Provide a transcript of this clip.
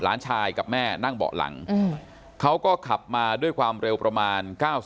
หลานชายกับแม่นั่งเบาะหลังเขาก็ขับมาด้วยความเร็วประมาณ๙๐